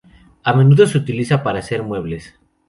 A menudo se utiliza para hacer muebles.